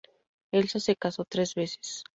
Elsa se casó tres veces.